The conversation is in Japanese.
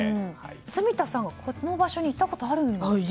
住田さんは、この場所に行ったことあるんですよね。